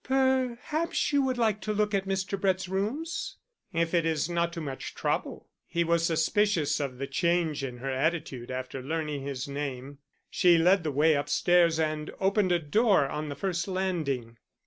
"Perhaps you would like to look at Mr. Brett's rooms?" "If it is not too much trouble." He was suspicious of the change in her attitude after learning his name. She led the way upstairs and opened a door on the first landing.